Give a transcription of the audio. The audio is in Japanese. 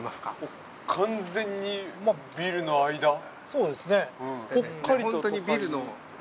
そうですね。